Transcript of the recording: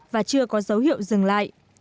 và chưa có dấu hiệu dừng lại